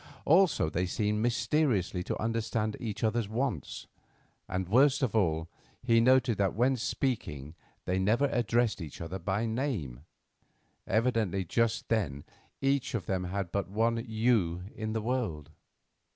Also, they seemed mysteriously to understand each other's wants, and, worst of all, he noted that when speaking they never addressed each other by name. Evidently just then each of them had but one "you" in the world.